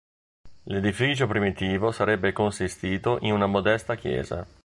L'edificio primitivo sarebbe consistito in una modesta chiesa.